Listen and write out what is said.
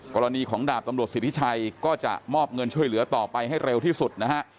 กรณีของดาบตำรวจสิทธิชัยก็จะมอบเงินช่วยเหลือต่อไปให้เร็วที่สุดนะฮะ